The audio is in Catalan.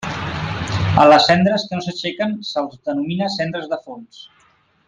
A les cendres que no s'aixequen se'ls denomina cendres de fons.